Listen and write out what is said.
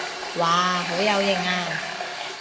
哇好有型啊